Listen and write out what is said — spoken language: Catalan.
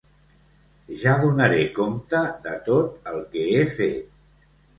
Ja donaré compte de tot el que he fet.